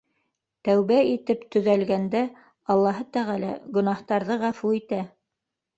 Тәүбә итеп төҙәлгәндә Аллаһы Тәғәлә гонаһтарҙы ғәфү итә.